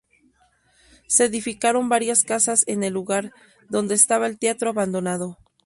Se edificaron varias casas en el lugar donde estaba el teatro abandonado.